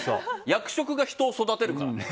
役職が人を育てるから。